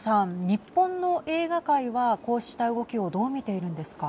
日本の映画界はこうした動きをどう見ているんですか。